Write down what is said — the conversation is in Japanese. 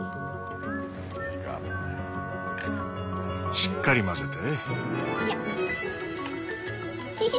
しっかり混ぜて。